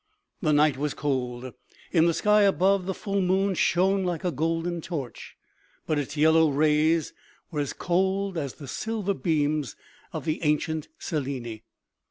The night was cold. In the sky above the full moon shone like a golden torch, but its yellow rays were as cold as the silver beams of the ancient Selene.